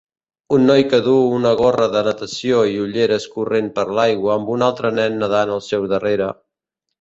Un noi que duu una gorra de natació i ulleres corrent per l'aigua amb un altre nen nedant al seu darrere